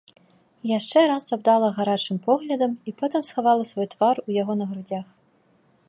Яшчэ раз абдала гарачым поглядам і потым схавала свой твар у яго на грудзях.